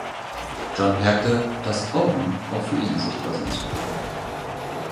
Jon merkte, dass Auren auch für ihn sichtbar sind.